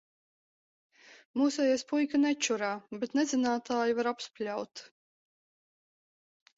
Mūsējais puika nečurā, bet nezinātāju var apspļaut.